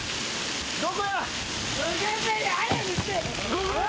どこや？